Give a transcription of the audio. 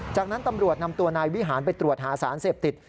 จากนั้นตำรวจนำตัวนายวิหารไปตรวจหาสารเสพติด